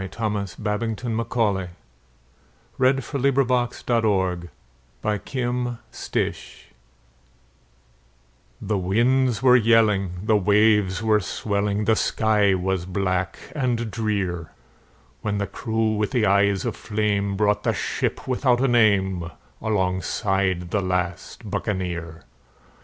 Thomas Babbington Macaulay The Last Buccaneer THE winds were yelling, the waves were swelling, The sky was black and drear, When the crew with eyes of flame brought the ship without a name Alongside the last Buccaneer.